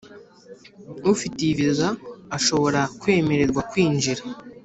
Ufite iyi viza ashobora kwemererwa kwinjira